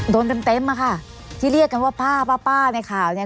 โดนเต็มเต็มอะค่ะที่เรียกกันว่าป้าป้าในข่าวเนี่ย